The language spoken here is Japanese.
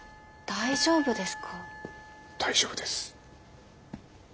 大丈夫です。